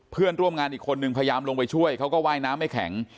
เพื่อนร่วมงานอีกคนนึงพยายามลงไปช่วยเขาก็ว่ายน้ำไม่แข็ง